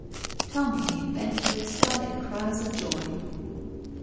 Tommy gave vent to ecstatic cries of joy.